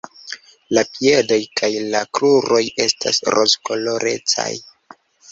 La piedoj kaj la kruroj estas rozkolorecaj.